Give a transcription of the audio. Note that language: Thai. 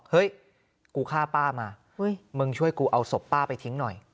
เฮ้ยกูฆ่าป้ามามึงช่วยกูเอาศพป้าไปทิ้งหน่อย